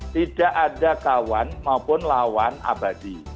tidak ada kawan maupun lawan abadi